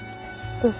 どうぞ。